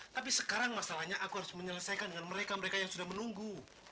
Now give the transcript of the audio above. tapi sekarang masalahnya aku harus menyelesaikan dengan mereka mereka yang sudah menunggu